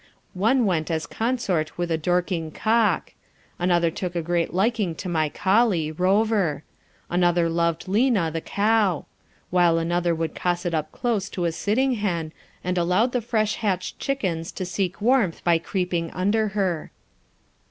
One went as consort with a Dorking cock; another took a great liking to my collie, Rover; another loved Lina, the cow; while another would cosset up close to a sitting hen, and allowed the fresh hatched chickens to seek warmth by creeping under her.